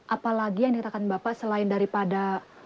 apalagi yang dikatakan bapak selain daripada